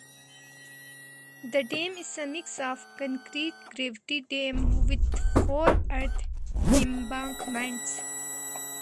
The dam is a mix of a concrete gravity dam with four earth embankments.